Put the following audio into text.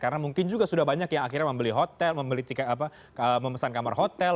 karena mungkin juga sudah banyak yang akhirnya membeli hotel membeli tiket apa memesan kamar hotel